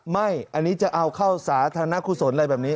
ไม่อันนี้จะเอาเข้าสาธารณกุศลอะไรแบบนี้